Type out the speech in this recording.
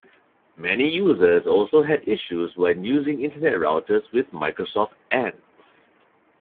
Many users also had issues when using internet routers with Microsoft Ants.